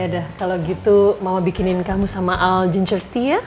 yaudah kalau gitu mama bikinin kamu sama al ginger tea ya